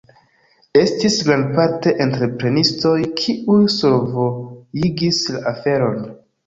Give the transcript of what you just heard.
Estis grandparte entreprenistoj, kiuj survojigis la aferon.